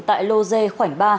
tại lô dê khoảnh ba